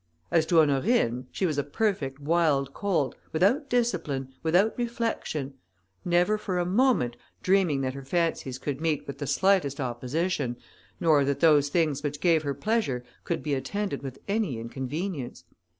As to Honorine, she was a perfect wild colt, without discipline, without reflection; never for a moment dreaming that her fancies could meet with the slightest opposition, nor that those things which gave her pleasure could be attended with any inconvenience.